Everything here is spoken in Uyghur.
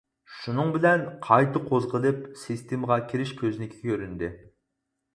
شۇنىڭ بىلەن قايتا قوزغىلىپ، سىستېمىغا كىرىش كۆزنىكى كۆرۈندى.